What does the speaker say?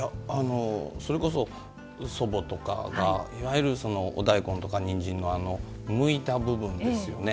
それこそ、祖母とかがいわゆる、お大根とかにんじんのむいた部分ですよね。